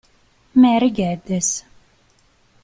Mary Geddes